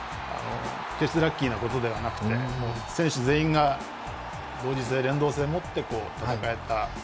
決してラッキーなことではなくて選手全員が同時性、連動性を持ち戦えた。